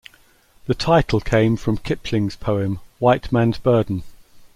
The title came from Kipling's poem 'White Man's Burden'.